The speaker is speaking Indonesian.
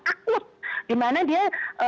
akibat dimana dia